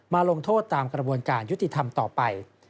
ลงโทษตามกระบวนการยุติธรรมต่อไป